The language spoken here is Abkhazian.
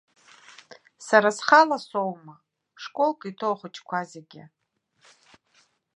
Сара схала соума, школк иҭоу ахәыҷқәа зегьы!